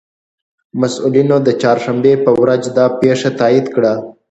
مسئولینو د چهارشنبې په ورځ دا پېښه تائید کړه